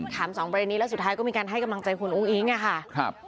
สองประเด็นนี้แล้วสุดท้ายก็มีการให้กำลังใจคุณอุ้งอิ๊งอะค่ะ